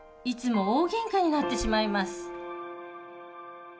いつも大げんかになってしまいます